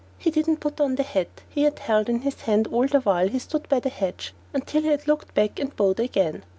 He didn't put on the hat he had held in his hand all the while he stood by the hedge until he had looked back and bowed again.